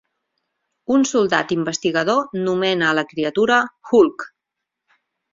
Un soldat investigador nomena a la criatura "Hulk".